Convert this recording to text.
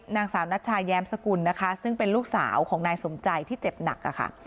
นางสาวนัชชาแย้มสกุลนะคะซึ่งเป็นลูกสาวของนายสมใจที่เจ็บหนักค่ะ